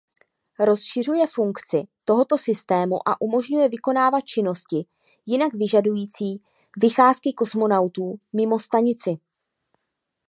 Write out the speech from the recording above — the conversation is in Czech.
Rozšiřuje funkci tohoto systému a umožňuje vykonávat činnosti jinak vyžadující vycházky kosmonautů mimo stanici.